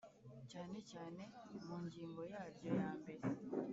cyane cyane mu ngingo yaryo yambere.